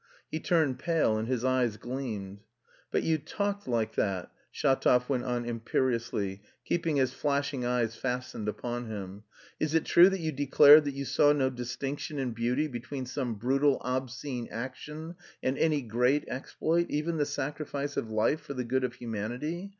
He turned pale and his eyes gleamed. "But you talked like that," Shatov went on imperiously, keeping his flashing eyes fastened upon him. "Is it true that you declared that you saw no distinction in beauty between some brutal obscene action and any great exploit, even the sacrifice of life for the good of humanity?